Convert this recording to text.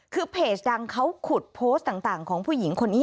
คือเพจดังเขาขุดโพสต์ต่างของผู้หญิงคนนี้